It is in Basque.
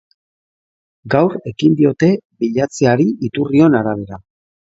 Gaur ekin diote bilatzeari, iturrion arabera.